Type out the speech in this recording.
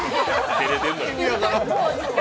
照れてんのよ。